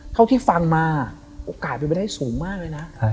เท่าที่ฟังมาโอกาสเป็นไปได้สูงมากเลยนะ